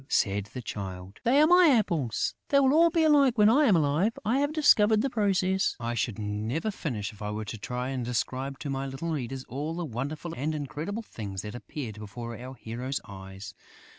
said the Child. "They are my apples! They will all be alike when I am alive! I have discovered the process!..." I should never finish if I were to try and describe to my little readers all the wonderful and incredible things that appeared before our hero's eyes.